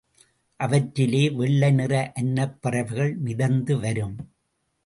அவற்றிலே வெள்ளை நிற அன்னப் பறவைகள் மிதந்து வரும்.